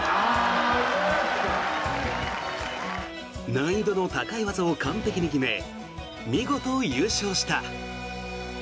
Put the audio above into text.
難易度の高い技を完璧に決め見事優勝した。